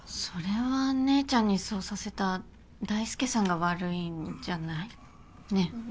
それは姉ちゃんにそうさせた大輔さんが悪いんじゃない？ねえ。